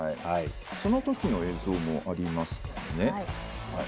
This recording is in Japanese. そのときの映像もありますかね。